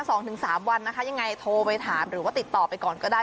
สองถึงสามวันนะคะยังไงโทรไปถามหรือว่าติดต่อไปก่อนก็ได้